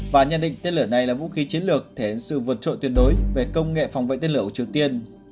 và nhận định tên lửa này là vũ khí chiến lược thể hiện sự vượt trội tuyệt đối về công nghệ phòng vệ tên lửa của triều tiên